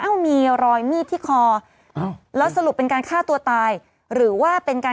มีรอยมีดที่คออ้าวแล้วสรุปเป็นการฆ่าตัวตายหรือว่าเป็นการ